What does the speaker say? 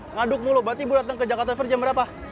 ngaduk mulu berarti ibu datang ke jakarta fair jam berapa